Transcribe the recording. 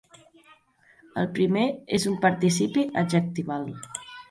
El primer és un participi adjectival.